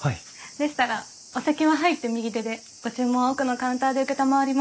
でしたらお席は入って右手でご注文は奥のカウンターで承ります。